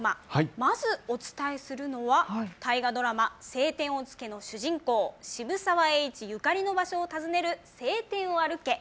まずお伝えするのは大河ドラマ、青天を衝けの主人公、渋沢栄一ゆかりの場所を訪ねる青天を歩け！